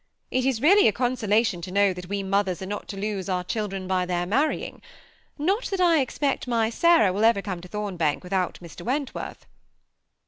It is really a consolation to know that we mothers are not to lose our children by their marry ing: not that I expeet my Sarah wiU ever come to Thombank without Mr. Wentworth."